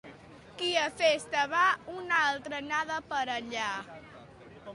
Qui a festa va, una altra n'ha d'aparellar.